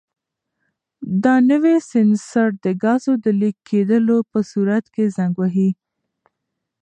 دا نوی سینسر د ګازو د لیک کېدو په صورت کې زنګ وهي.